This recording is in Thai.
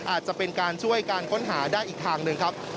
อาจจะเป็นการช่วยการค้นหาได้อีกทางหนึ่งครับ